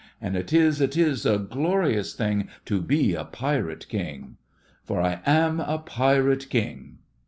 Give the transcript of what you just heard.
And it is, it is a glorious thing To be a Pirate King! For I am a Pirate King!